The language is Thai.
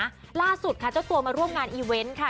คราวสุดนะคะเจ้าตัวมาร่วมงานค่ะ